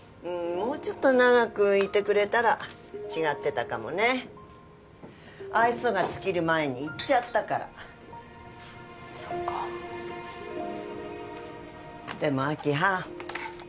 もうちょっと長くいてくれたら違ってたかもね愛想が尽きる前に逝っちゃったからそっかでも明葉